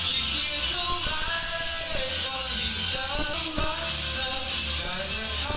ยิ่งเวียดเท่าไหร่ก็ยิ่งจะรักเธอได้แค่ทั้งใจ